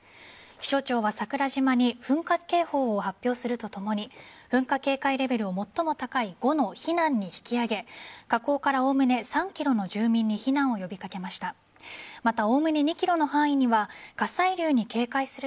気象庁は桜島に噴火警報を発表するとともに噴火警戒レベルを最も高い５の避難に引き上げ過去からおおむね３ｋｍの住民に避難を呼び掛けました。